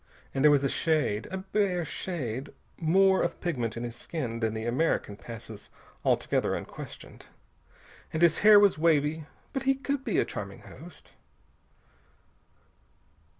And there was a shade a bare shade more of pigment in his skin than the American passes altogether unquestioned. And his hair was wavy.... But he could be a charming host.